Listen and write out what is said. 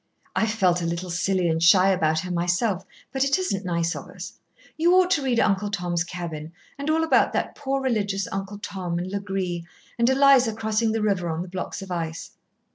I've felt a little silly and shy about her myself, but it isn't nice of us. You ought to read 'Uncle Tom's Cabin,' and all about that poor religious Uncle Tom, and Legree, and Eliza crossing the river on the blocks of ice."